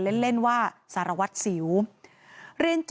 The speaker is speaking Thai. ปี๖๕วันเช่นเดียวกัน